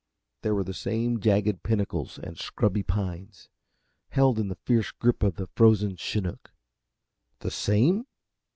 There were the same jagged pinnacles and scrubby pines, held in the fierce grip of the frozen chinook. The same?